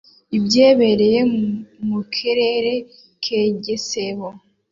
i byebereye mu kerere ke Gesebo,